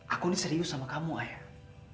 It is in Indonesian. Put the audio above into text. aku ini serius sama kamu ayah